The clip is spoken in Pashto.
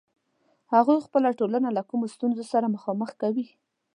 هغوی خپله ټولنه له کومو ستونزو سره مخامخ کوي.